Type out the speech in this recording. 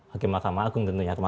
hakim mahkamah agung tentunya